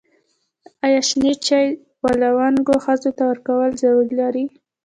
ایا شنې چايي و لنګو ښځو ته ورکول ضرر لري؟